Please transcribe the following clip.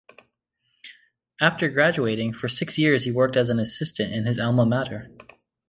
After graduating, for six years he worked as an assistant in his alma mater.